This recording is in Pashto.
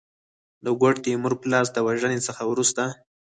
د ګوډ تیمور په لاس د وژني څخه وروسته.